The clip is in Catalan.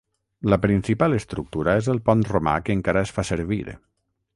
La principal estructura és el pont romà que encara es fa servir.